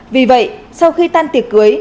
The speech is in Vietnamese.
vì vậy sau khi tan tiệc cưới